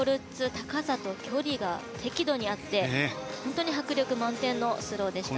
高さと距離が適度にあって、本当に迫力満点のスローでしたね。